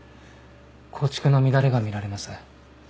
構築の乱れが見られます。